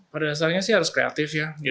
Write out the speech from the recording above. pada dasarnya sih harus kreatif ya